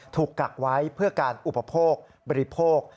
กักไว้เพื่อการอุปโภคบริโภค